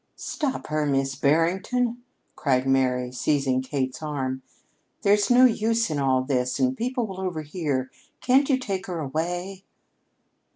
"Stop her, Miss Barrington," cried Mary, seizing Kate's arm. "There's no use in all this, and people will overhear. Can't you take her away?"